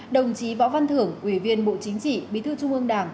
đồng chí võ văn thưởng ủy viên bộ chính trị bí thư trung ương đảng